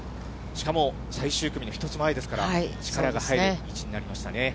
しかも、最終組の１つ前ですから、力が入る位置になりましたね。